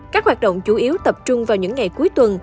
các hoạt động chủ yếu tập trung vào những ngày cuối tuần